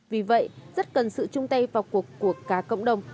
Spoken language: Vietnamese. vì vậy rất cần sự chung tay vào cuộc của cả cộng đồng